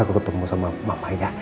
aku ketemu sama mama ya